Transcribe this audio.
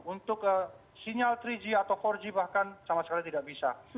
untuk sinyal tiga g atau empat g bahkan sama sekali tidak bisa